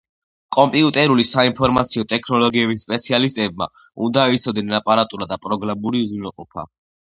კომპიუტერული საინფორმაციო ტექნოლოგიების სპეციალისტებმა უნდა იცოდნენ აპარატურა და პროგრამული უზრუნველყოფა.